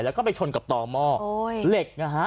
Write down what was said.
แล้วก็ไปชนกับต่อหม้อเหล็กนะฮะ